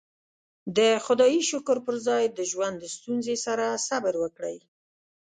د خدايې شکر پر ځای د ژوند ستونزې سره صبر وکړئ.